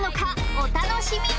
お楽しみに！